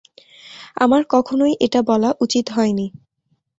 আমার কখনোই এটা বলা উচিত হয়নি।